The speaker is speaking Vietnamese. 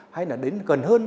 hay là đến gần hơn